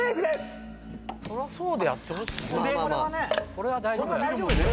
これは大丈夫やろ。